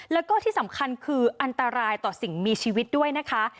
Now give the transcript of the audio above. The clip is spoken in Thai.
แล้วก็ที่สำคัญคืออันตรายต่อสิ่งมีชีวิตด้วยนะคะ